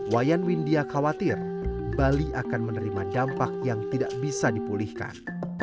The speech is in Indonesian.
wayan windia khawatir bali akan menerima dampak yang tidak bisa dipulihkan